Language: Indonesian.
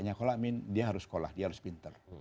nyakola artinya dia harus sekolah dia harus pintar